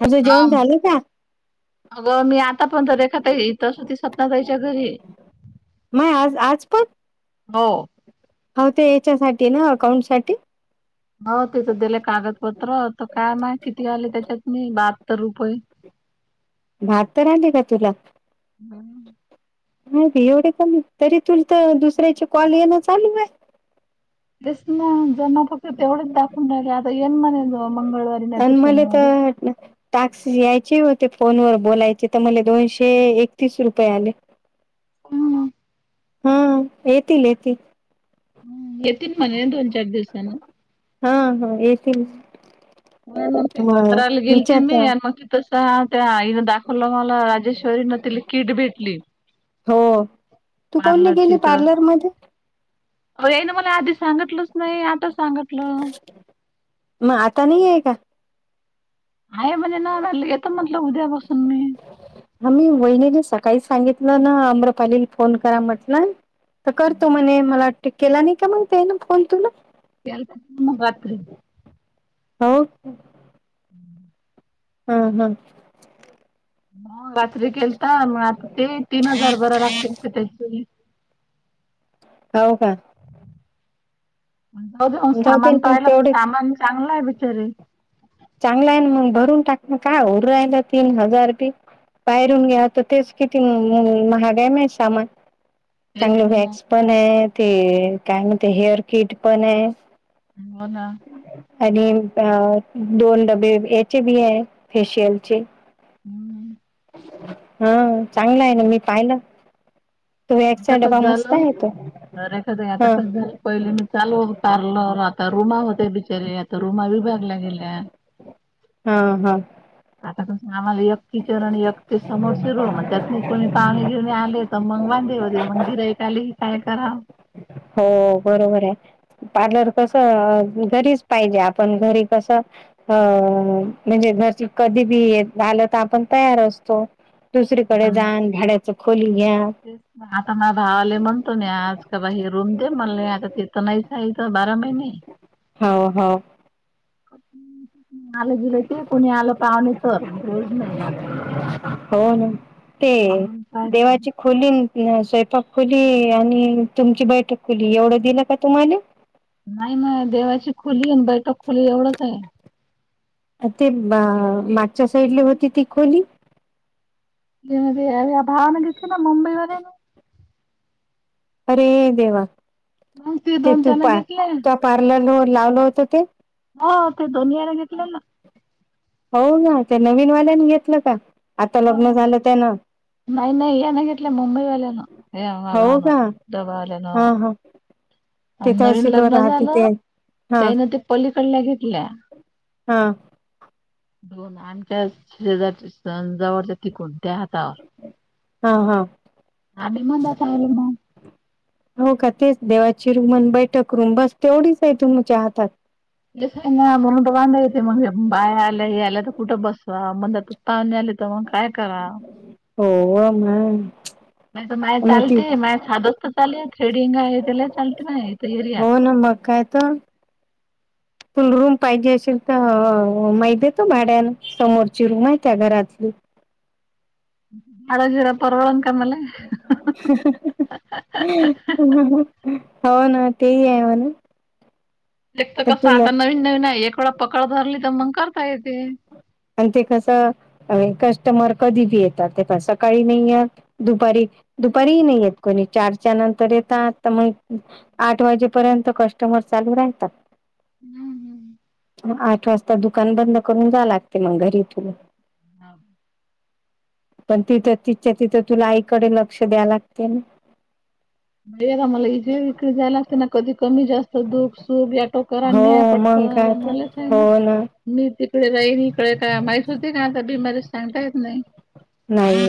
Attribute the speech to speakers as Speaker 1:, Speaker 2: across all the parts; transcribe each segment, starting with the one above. Speaker 1: तुझं जेवण
Speaker 2: आम
Speaker 1: झालं का
Speaker 2: अगं मी आता पण तर रेखा ताई इथच होती सपना ताईच्या घरी.
Speaker 1: [unintelligible] आज आज पण
Speaker 2: हो.
Speaker 1: हाव ते याच्यासाठी ना अकाउंट साठी.
Speaker 2: हाव तीथं दिले कागदपत्र तर काय माहित किती आले त्याच्यात मी बहात्तर रुपये.
Speaker 1: बाहात्तर आले का तुला?
Speaker 2: [unintelligible]
Speaker 1: माहिती एवढे कमी तरी तुल तर दुसऱ्याचे कॉल येणं चालू आहे.
Speaker 2: तेस ना जमा फक्त तेवढच दाखवून राहिलं आता येन म्हणे गं मंगळवारी नाही तर शनिवारी.
Speaker 1: घट ना टाकशी यायची होते फोनवर बोलायचे तर मला दोनशे एकतीस रुपये आले.
Speaker 2: हम्म.
Speaker 1: हाव येतील येतील.
Speaker 2: हम्म येतीन म्हणे दोन चार दिवसांनं.
Speaker 1: हा हा येतील.
Speaker 2: होय मग ते करायला गेलते मी आणि मग ति तस त्या आईनं दाखवलं मला राजेश्वरीनं तिला किट भेटली.
Speaker 1: हो तू काऊन नाही गेली
Speaker 2: पार्लरची त
Speaker 1: पार्लर मध्ये
Speaker 2: अ यायने मला आधी सांगितलंच नाही आता सांगितलं.
Speaker 1: म आता नाही आहे का?
Speaker 2: आहे म्हणे नाय म्हणलं येत म्हटलं उद्यापासून मी.
Speaker 1: हां मी वहिणीने सकाळी सांगितलं ना अम्रपालीला फोन करा म्हटलं. तर करतो म्हणे मला वाटतं केला नाही का माहिती आहे ना फोन तुला.
Speaker 2: केलता मगात्री
Speaker 1: हो.
Speaker 2: हम्म.
Speaker 1: हां मंग
Speaker 2: म रात्री केलता म आता ते ही तीन हजार भरा लागतील ते त्याच्याने
Speaker 1: ताव का
Speaker 2: म जाऊ देऊ
Speaker 1: दे
Speaker 2: सामान
Speaker 1: ना
Speaker 2: पाहिला तर
Speaker 1: तेवढे
Speaker 2: सामान चांगला आहे बिचारी.
Speaker 1: चांगला आहे ना मग भरून टाकना काय होऊ राहिला तीन हजार ते. बाहेरून घ्या तर तेच किती म महागाय मे सामान.
Speaker 2: तेच
Speaker 1: त्यांना
Speaker 2: ना
Speaker 1: वॅक्स
Speaker 2: मग
Speaker 1: पण आहे ते काय म्हणते हेअर किट पण आहे.
Speaker 2: हो ना.
Speaker 1: आणि अ दोन डब्बे याचे बी आहे फेशियलचे.
Speaker 2: हम्म.
Speaker 1: हा चांगला आहे ना, मी पाहिलं. तो
Speaker 2: आता
Speaker 1: एकचा डबा
Speaker 2: कसं
Speaker 1: मस्त
Speaker 2: झालं
Speaker 1: आहे तो,
Speaker 2: अरे कसं आहे आता
Speaker 1: हो.
Speaker 2: कसं झालं पहिले मी चालो, उतरलो आता रुमा होत्या बिचारीे आता रुमा विभागल्या गेल्या.
Speaker 1: हा हा.
Speaker 2: आता पासून आम्हाला एक किचन आणि एक ते समोर रूम मग त्यात म कोणी पाहणे आले. तर मंग वांदे होते मंग [unintelligible] काय करा
Speaker 1: हो बरोबर आहे. पार्लर कसं घरीच पाहिजे आपण घरी कसं अ म्हणजे घरची कधी बी आलं तर आपण तयार असतो. दुसरीकडे
Speaker 2: आता
Speaker 1: जान भाड्याच खोली घ्या
Speaker 2: तेच आता म भावाले म्हणतो ना, आज का बाहेरून ते, म ले नई आता तिथं नाहीच तीथ बारा महिने.
Speaker 1: हो हो.
Speaker 2: आलं गेलं ते कोणी आलं पाहुणे तर, रोज नाही लागत.
Speaker 1: हो ना ते
Speaker 2: म्हणून काय
Speaker 1: देवाचे खोली, स्वयंपाक खोली आणि तुमची बैठक खोली एवढं दिलं का तुम्हाले?
Speaker 2: नाही मग देवाची खोली आणि बैठक खोली एवढंच आहे.
Speaker 1: आणि ती बा व मागच्या साईडले होती ती खोली.
Speaker 2: ते म्हणते या यात भावाने मदत केला.
Speaker 1: अरे देवा
Speaker 2: मग
Speaker 1: ते
Speaker 2: दोन
Speaker 1: तू
Speaker 2: त्यानं
Speaker 1: पा
Speaker 2: घेतले
Speaker 1: तुझ्या पार्लरवर लावलं होत ते.
Speaker 2: हो ते दोन्ही यांना घेतलेल ना.
Speaker 1: हो का त्या नवीन वाल्यानी घेतलं का? आता लग्न
Speaker 2: हो
Speaker 1: झालं त्यान?
Speaker 2: नाही नाही यान घेतलाय मुंबई वाल्यान, ना घ दा
Speaker 1: हो का?
Speaker 2: बाई इथ वाल्यान.
Speaker 1: हां, हां. ते
Speaker 2: आन नवीन
Speaker 1: तहसीलवर
Speaker 2: लग्न
Speaker 1: राहते ते
Speaker 2: झालं, त्या
Speaker 1: हां,
Speaker 2: हेनं ते पलीकडल्या घेतल्या.
Speaker 1: हा.
Speaker 2: हो ना आमच्या शेजारच्या तिथं आणि जवळच्या त कोणत्या हातावर
Speaker 1: हां, हां.
Speaker 2: आणि म्हणता टायमिंग जात.
Speaker 1: हो का तेच देवाची रूमन अन बैठक रूम बस तेवढीच आहे तुमच्या हातात.
Speaker 2: स आहे ना म्हणून तर बाया आलं हे येते मग बाय आला आला तर कुठं बसवा म्हणल तर पाहुणे आली तर मग काय कराव?
Speaker 1: हो मग
Speaker 2: नाहीतर माया
Speaker 1: मग ती
Speaker 2: चालते, माया साध असतं. चालेल थ्रेडिंग आहे त्याला, चालते नाहेत.
Speaker 1: हो न मग काय तर. तुला रूम पाहिजे असेल तर, मग देतो भाड्यान. समोरची रूम हाय त्या घरातली.
Speaker 2: ह्याला देण परवडलं काय मले?
Speaker 1: [unintelligible] [unintelligible] हो ना ते आहे म्हणे.
Speaker 2: एक तर कसं आता नवीन नवीन हाय, एक वेळा पकड धरली तर मग करता येते.
Speaker 1: आणि ते कसं कस्टमर कधी बी येतात, ते सकाळी नाही येत दुपारी
Speaker 2: हम्म.
Speaker 1: दुपारीही नाही येत कोणी. चारच्या नंतर येतात तर मग इथं आठ वाजेपर्यंत कस्टमर चालू राहित.
Speaker 2: हम्म हम्म.
Speaker 1: आठ वाजता दुकान बंद करून जाय लागतंय मग घरी इथून.
Speaker 2: हाव.
Speaker 1: पण तिथं तिच्या तिथं तुला आईकडे लक्ष द्याय लागते ना? [inaudible]
Speaker 2: हेच आम्हाला इथे विक्रीला जायला लागते ना, कधी कमी जास्त दुख सुख या टोकावर न्याय
Speaker 1: हो
Speaker 2: पटक
Speaker 1: मग काय तर, हो ना.
Speaker 2: मी तिकडे जाईन इकडे का माहीत होते का? आता बीमारी सांगता येत नाही.
Speaker 1: नाही.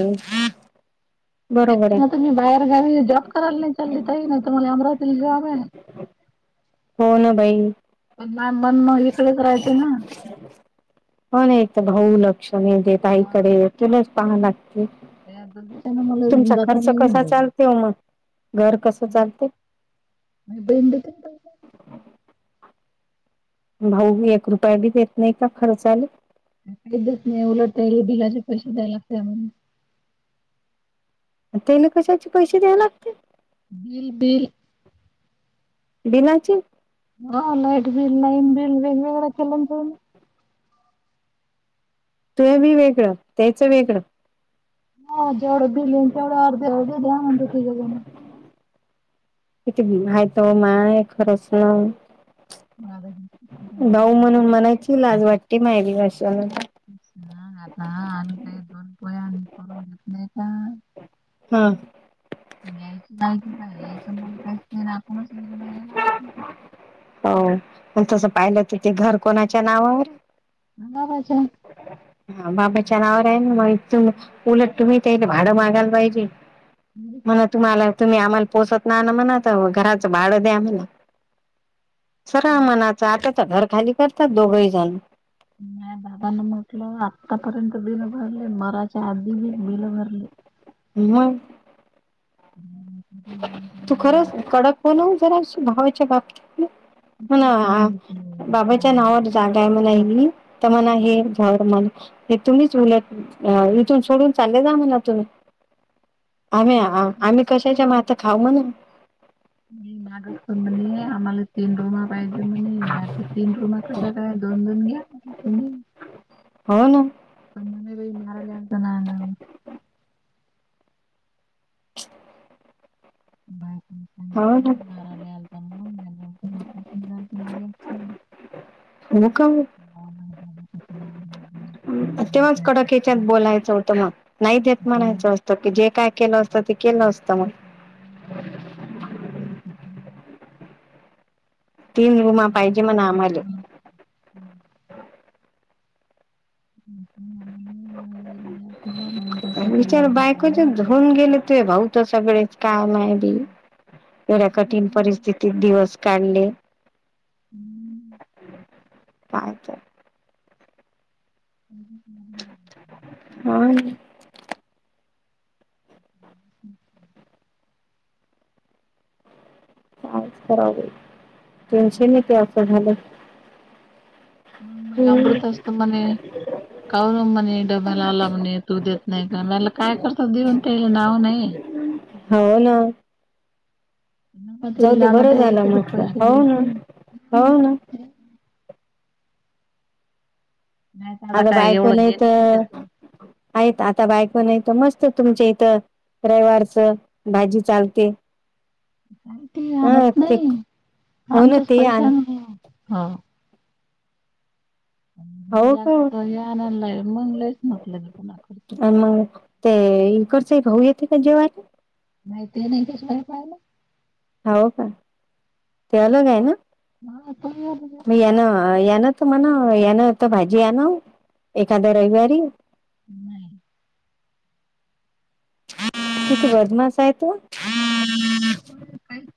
Speaker 2: य
Speaker 1: बरोबर आहे
Speaker 2: मग तुम्ही बाहेर गावी जॉब करायला नाही चालतही, नाही तर मला अमरावती जॉब आहे.
Speaker 1: हो न बाई.
Speaker 2: पण मा मन मग इकडेच राहते ना.
Speaker 1: पण एक तर भाऊ लक्ष नाही देत आहे,
Speaker 2: हा
Speaker 1: इकडे तुलाच पाहाव लाग हो.
Speaker 2: त्यानं मला
Speaker 1: तुमचा
Speaker 2: जाता
Speaker 1: खर्च
Speaker 2: नाही येऊन
Speaker 1: कसा
Speaker 2: जात
Speaker 1: चालते हो मग. घर कसं चालतं?
Speaker 2: [unintelligible]
Speaker 1: भाऊ एक रुपयाे बी देत नाही का खर्चाला.
Speaker 2: काही देत नाही, उलट बिलाचे पैसे द्याय लागते.
Speaker 1: तेन कशाचे पैसे द्या लागते.
Speaker 2: Bill bill.
Speaker 1: बिलाची.
Speaker 2: आं लाईट बिल लाईन बिल वेगवेगळा केलन त्याने.
Speaker 1: ते बी वेगळं, तेच वेगळं.
Speaker 2: हं.. जेवढ बिंलीग तेवढं, अर्धावर द्या म्हणतात तिघेजण आहे.
Speaker 1: किती मायत, माय खरंच ना. भाऊ म्हणून मनाची लाज वाटते, मायरी भाशला.
Speaker 2: सां आता आम्ही काही, दोन पोळ्या करून देत नाही का.
Speaker 1: हा.
Speaker 2: पण यायची जायची काय याच, मन काहीच नाही आपणच. वगैरे बायाला
Speaker 1: हो. पण तसं पाहिलं तर, ते घर कोणाच्या नावावर ये.
Speaker 2: [unintelligible]
Speaker 1: हां.. बाबाच्या नावार आहे ना, मग तर उलट तुम्ही त्याले भाडं मागायला पाहिजे. मग तुम्हाला तुम्ही आम्हाला पोचत नाही ना, म्हणात घराचं भाडं द्या म्हणा. सरा मनाचां आता तर घर खाली करतात दोघही जण.
Speaker 2: नाही बाबांना म्हटलं आतापर्यंत बिलं भरले, मरायच्या आधी बी बिलं भरले.
Speaker 1: म्हगं.
Speaker 2: [unintelligible]
Speaker 1: तू खरंच कडक होण, व जरा भावाच्या बाबतीत. हो ना, बाबाच्या नावावर
Speaker 2: सांगितलं
Speaker 1: जाग. काय म्हणायली तर म्हणा झाड मन हे तुम्हीच उलट इथून, सोडून चालले जा म्हणा तुम्ही. आम्ही आम्ही कशाच्या मात्या खाऊ म्हणे?
Speaker 2: मागच म्हेणे आम्हाला तीन रुमा पाहिजे, म्हणे [unintelligible] तीन रूमा कशा काय दोन दोन घ्या तुम्ही.
Speaker 1: हाव ना.
Speaker 2: [unintelligible] भई माराल्याता [unintelligible] बायकोने
Speaker 1: हो ना.
Speaker 2: सांगितलं मारायला आलता म्हणून आणि नेमकं ऑपरेशन झालतं मुलाचं
Speaker 1: हो का ओ.
Speaker 2: [inaudible] नाही गेलं,
Speaker 1: तेव्हाच
Speaker 2: काय
Speaker 1: कडक
Speaker 2: कसं
Speaker 1: हेच्यात
Speaker 2: झालं.
Speaker 1: बोलायचं होतं, मग नाही देत
Speaker 2: असं
Speaker 1: म्हणायचं असत. की जे काय केलं असतं, ते केलं असतं मग.
Speaker 2: [unintelligible]
Speaker 1: तीन रूमा
Speaker 2: आपण
Speaker 1: पाहिजे
Speaker 2: काय
Speaker 1: म्हणा आम्हाले.
Speaker 2: एवढं बारीक [unintelligible] म्हणून
Speaker 1: [unintelligible]
Speaker 2: त्यासाठी
Speaker 1: विचारे
Speaker 2: लग्न
Speaker 1: बायकोच्या
Speaker 2: झालं
Speaker 1: होऊन गेले,
Speaker 2: सगळं
Speaker 1: ते भाऊत सगळेच काय माय बी. एवढ्या कठीण
Speaker 2: झालं.
Speaker 1: परिस्थिती ती दिवस काढले,
Speaker 2: हम्म.
Speaker 1: काय तर.
Speaker 2: [unintelligible]
Speaker 1: हो न.
Speaker 2: हम्म.
Speaker 1: काय करावं बाई? टेन्शन येतं असं झालं की.
Speaker 2: मग मला अमृत असत म्हणे. काम म्हणे डब्याला आला म्हणे तू देत नाही का मला काय करतो देऊन त्या नाव नाही [unintelligible]
Speaker 1: हो ना.
Speaker 2: नका
Speaker 1: जाऊ
Speaker 2: तुरी
Speaker 1: दे
Speaker 2: लावला
Speaker 1: बरं
Speaker 2: त्याला
Speaker 1: झालं
Speaker 2: तरी
Speaker 1: म्हटलं,
Speaker 2: पैसे
Speaker 1: हो ना
Speaker 2: देते
Speaker 1: हो ना.
Speaker 2: नाही तर
Speaker 1: आता
Speaker 2: काय
Speaker 1: बायको
Speaker 2: एवढं
Speaker 1: नाही
Speaker 2: हे आहे त्याच
Speaker 1: तर. आहेत आता बायको नाही तर, मस्त तुमच्या इथं रविवारच भाजी चालते.
Speaker 2: काही ती
Speaker 1: अ
Speaker 2: आणत
Speaker 1: ते
Speaker 2: नाही.
Speaker 1: हो ना
Speaker 2: आमच्याच
Speaker 1: ते आण
Speaker 2: पैशानं [unintelligible] हो. घरी
Speaker 1: हो का
Speaker 2: लागलं तेव्हा हे आणाय मग नाहीच म्हटलं तर कोणाकडं ते.
Speaker 1: मग ते इकडचे भाऊ येते का जेवायले?
Speaker 2: नाही ते नाही कसं काय पाहिलं?
Speaker 1: हो का? ते अलग आहे ना?
Speaker 2: हा तो
Speaker 1: मग येणार. यान तर म्हणावं यानं तर भाजी आणा वो एखाद्या रविवारी.
Speaker 2: नाही.
Speaker 1: [unintelligible] किती वर्धमास आहे तू
Speaker 2: मग
Speaker 1: [unintelligible]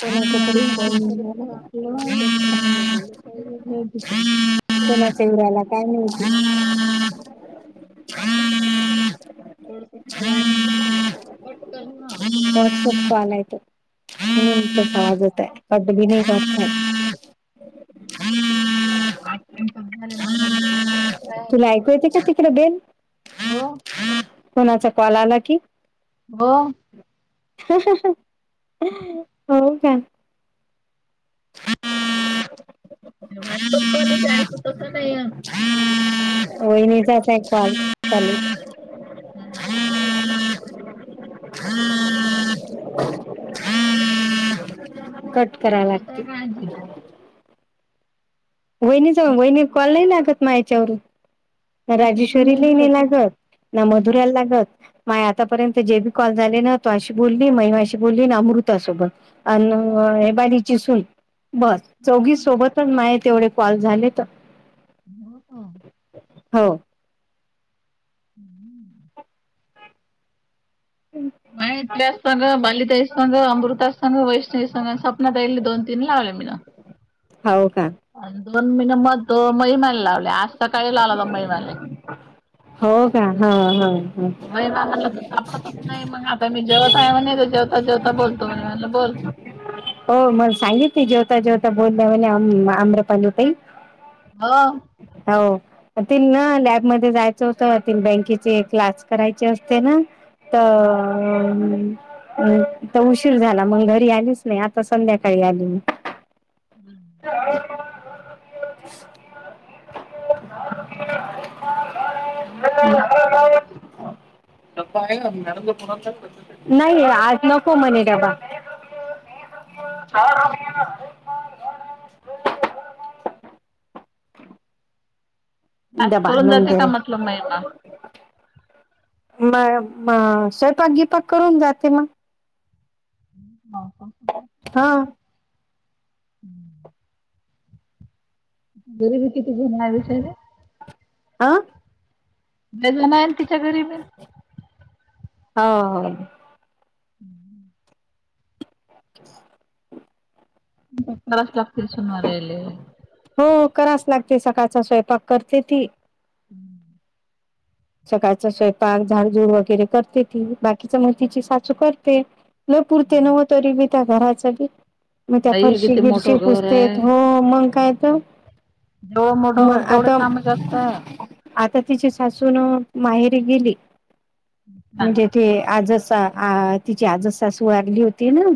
Speaker 1: कोणाचा तरी फोन आला
Speaker 2: [unintelligible]
Speaker 1: कोणाचा येऊ राहिला काय माहिती.
Speaker 2: [unintelligible] पटकन हा.
Speaker 1: [unintelligible] म्हणून तसा
Speaker 2: हो
Speaker 1: आवाज
Speaker 2: का?
Speaker 1: येतोय [unintelligible]
Speaker 2: हम्म. आठ मिनिट झाले, नऊ मिनिटं एक मिनिट आहे.
Speaker 1: तुला ऐकू येते का तिकडं बेल?
Speaker 2: हो.
Speaker 1: कोणाचा कॉल आला की
Speaker 2: हो.
Speaker 1: हो का?
Speaker 2: हे व्हॉट्सअप कॉल येते ऐकू तसं नाहीये.
Speaker 1: वहिनीचाच आहे कॉल चालू हम्म [unintelligible] कट करावा
Speaker 2: जेवताय
Speaker 1: लागते
Speaker 2: का आजी?
Speaker 1: वहिणीचा
Speaker 2: सासू
Speaker 1: वहिणी कॉल नाही लागत माया याच्यावरून. ना
Speaker 2: जेवून
Speaker 1: राजेश्वरीले
Speaker 2: राहिली का
Speaker 1: नाही
Speaker 2: तू?
Speaker 1: लागत, ना
Speaker 2: हम्म.
Speaker 1: मधुराला लागत. माय आतापर्यंत जे बी कॉल झाले ना, तो अशी बोलली, मई आशी बोलली आणि अमृता सोबत. अन
Speaker 2: जेवत आहे.
Speaker 1: हे बायडिची सून बस चौघी सोबतच माय तेवढे कॉल झालेत.
Speaker 2: ह [unintelligible]
Speaker 1: हो.
Speaker 2: हम्म. [unintelligible] संग अमृतासंग, वैष्णवीसंग, सपनाताईले दोन तीन लावले मीनं.
Speaker 1: हौ का?
Speaker 2: आणि दोन महिने मग त महिमान लावले [unintelligible] आजता काही लावलाता महिमाला [unintelligible]
Speaker 1: हो का ह ह.
Speaker 2: होय ना, मला तू सापडतच नाही मग आता मी जेवता आहे म्हणे. आता जेवता जेवता बोलतो म्हणे म्हणलं बोल.
Speaker 1: हो मग सांगिल जेवता जेवता बोलल्या म्हणे आम्रपाली ताई.
Speaker 2: हो.
Speaker 1: हौ. तीला ना लॅबमध्ये जायचं होतं, तिला बँकेचे क्लास करायचे असते ना. त
Speaker 2: हो.
Speaker 1: तर उशीर झाला मग घरी आलीच नाही आता संध्याकाळी आली मी.
Speaker 2: हम्म [unintelligible]
Speaker 1: [inaudible]
Speaker 2: काम करून जाते क्लासले.
Speaker 1: [unintelligible] नाहीे, आज नको म्हणे डबा.
Speaker 2: [inaudible] [unintelligible] आज
Speaker 1: डबा
Speaker 2: कळून
Speaker 1: आणून
Speaker 2: जाते,
Speaker 1: दे
Speaker 2: का म्हटलं महिमा.
Speaker 1: म‌. म... स्वयंपाक बियपाक करून जाते मग.
Speaker 2: हो का,
Speaker 1: हां.
Speaker 2: [inaudible] गरीबी कती झेन विषये.
Speaker 1: आ.
Speaker 2: वेल नाही, तिच्या गरीबी.
Speaker 1: हो हो.
Speaker 2: [inaudible]
Speaker 1: [unintelligible]
Speaker 2: क्लास लागते सुन मारले.
Speaker 1: हो कराच लागते, सकाळचा स्वयंपाक करते ती.
Speaker 2: हं..
Speaker 1: सकाळचा स्वयंपाक झाडझूड वगैरे, करते ती बाकीच्या मग तिची साासू करते. लै पुरते नव्ह तरी, बिया घराच बी. मग त्या
Speaker 2: बाई
Speaker 1: फरशी
Speaker 2: किती
Speaker 1: गिरशी
Speaker 2: मोठं घर
Speaker 1: पुसतेत
Speaker 2: आहे.
Speaker 1: हो, मग काय तर.
Speaker 2: हो हो. मग ढोहर तेवढेच काम जास्त आहे.
Speaker 1: आता तिची सासूून माहेरी गेली,
Speaker 2: ना.
Speaker 1: म्हणजे ते आज जसा अं.. तिची आजच सासू वारली होती ना,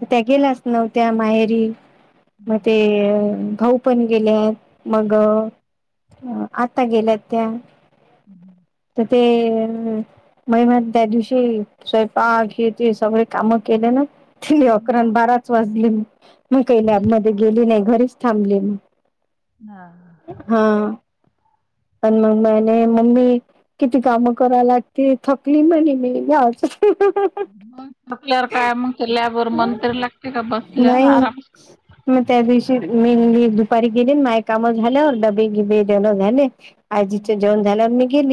Speaker 1: तर त्या गेल्या अस नव्हत्या माहेरी, मग ते भाऊ तुम्ही गेल्यात मगं, आता गेल्यात त्या.
Speaker 2: [unintelligible]
Speaker 1: ते बाई मग त्या, दिवशी स्वयंपाक हे ते सगळी सगळ काम केले ना. अकरान बाराच वाजली नी. मी काही लॅबमध्ये, गेली नाही घरीच थांबली, मग
Speaker 2: हा.
Speaker 1: हां.. आणि मग [unintelligible] नाय मम्मी किती काम कराय लागते थकली म्हणे मी या गावचं
Speaker 2: मग आपल्यावर काय मग, लॅब वर मन तरी लागते का बसल्यावर
Speaker 1: नाही
Speaker 2: आरामशीर.
Speaker 1: मग त्या दिवशी मेनली, दुपारी गेली माय काम झाल्या डबे गिबे देण झाले. आजीचं जेवण झाल्यावर मी गेली.